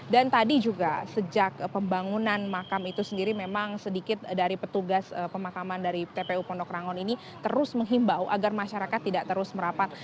dan tadi juga sejak pembangunan makam itu sendiri memang sedikit dari petugas pemakaman dari tpu pondok rangon ini terus menghimbau agar masyarakat tidak terus merapat